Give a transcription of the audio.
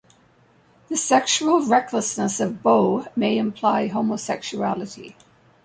The sexual recklessness of "beau" may imply homosexuality.